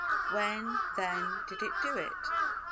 When, then, did it do it?